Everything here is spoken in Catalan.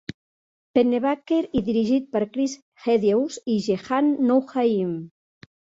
Pennebaker i dirigit per Chris Hegedus i Jehane Noujaim.